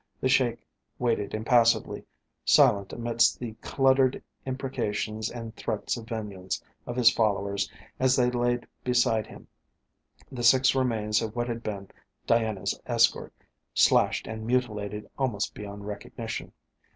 The Sheik waited impassively, silent amidst the muttered imprecations and threats of vengeance of his followers as they laid beside him the six remains of what had been Diana's escort, slashed and mutilated almost beyond recognition.